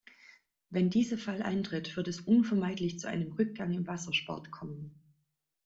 Wenn dieser Fall eintritt, wird es unvermeidlich zu einem Rückgang im Wassersport kommen.